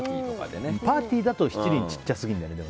パーティーだと七輪、小さすぎるんだよね。